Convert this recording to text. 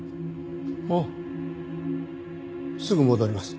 ああすぐ戻ります。